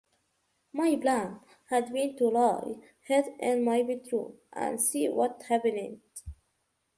My plan had been to lie hid in my bedroom, and see what happened.